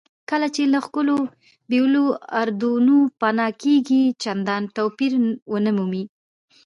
کله چې له ښکلو بولیوارډونو پناه کېږئ چندان توپیر ونه مومئ.